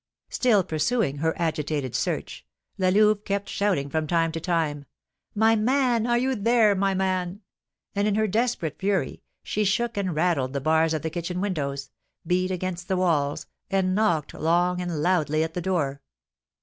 Still pursuing her agitated search, La Louve kept shouting from time to time, "My man! Are you there, my man?" And in her desperate fury she shook and rattled the bars of the kitchen windows, beat against the walls, and knocked long and loudly at the door.